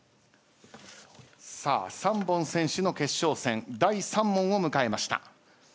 さあ３本先取の決勝戦第３問を迎えました。